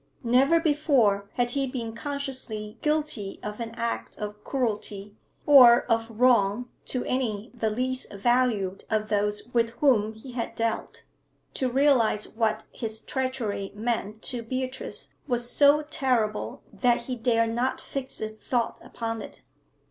Never before had he been consciously guilty of an act of cruelty or of wrong to any the least valued of those with whom he had dealt; to realise what his treachery meant to Beatrice was so terrible that he dared not fix his thought upon it.